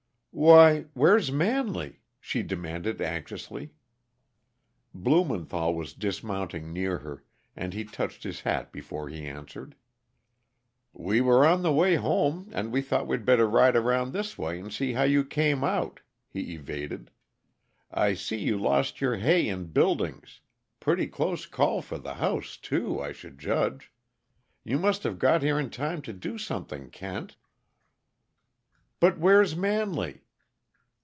"Why where's Manley?" she demanded anxiously. Blumenthall was dismounting near her, and he touched his hat before he answered. "We were on the way home, and we thought we'd better ride around this way and see how you came out," he evaded. "I see you lost your hay and buildings pretty close call for the house, too, I should judge. You must have got here in time to do something, Kent." "But where's Manley?"